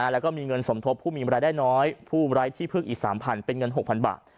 แล้วก็มีเงินสมทบผู้มีรายได้น้อยผู้ไร้ที่พึ่งอีก๓๐๐เป็นเงิน๖๐๐บาท